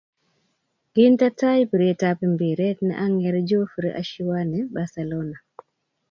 Kinte tai piret ab mpiree ne ang'er Godfrey Eshiwani Barcelona